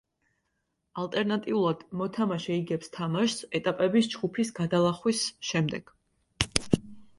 ალტერნატიულად, მოთამაშე იგებს თამაშს ეტაპების ჯგუფის გადალახვის შემდეგ.